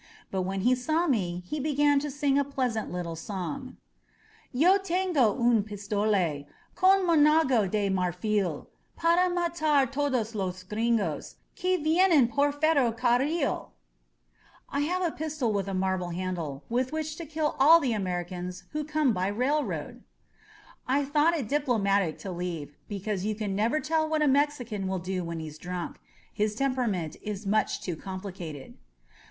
But when he saw me he began to sing a pleasant little song : To tengo wn pistole Con manago de TnarfU Para matar todos los Gringos Qui viennen por ferrocarrUt 160 SAVED BY A WRIST WATCH (I have a pistol with a marble handle (With which to kill all the Americans who come by railroad !) I thought it diplomatic to leave, because you can never tell what a Mexican will do when he's drunk. His temperament is much too complicated.